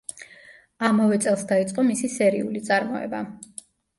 ამავე წელს დაიწყო მისი სერიული წარმოება.